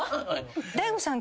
大悟さん。